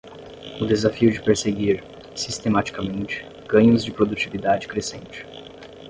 o desafio de perseguir, sistematicamente, ganhos de produtividade crescente